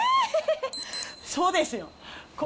そうですよ。